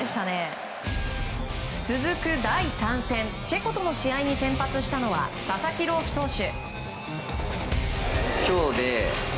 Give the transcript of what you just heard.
続く第３戦チェコとの試合に先発したのは佐々木朗希投手。